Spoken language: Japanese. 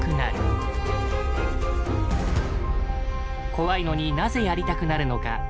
怖いのになぜやりたくなるのか。